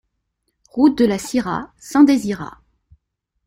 Route de la Syrah, Saint-Désirat